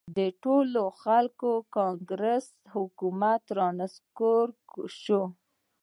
د ټولو خلکو کانګرس حکومت را نسکور شو.